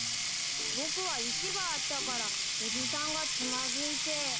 僕は石があったからおじさんがつまずいて。